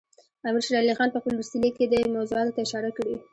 امیر شېر علي خان په خپل وروستي لیک کې دې موضوعاتو ته اشاره کړې.